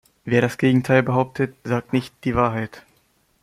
Wer das Gegenteil behauptet, sagt nicht die Wahrheit.